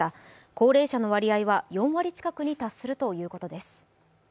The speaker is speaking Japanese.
高齢者の割合は４割近くに達するということです。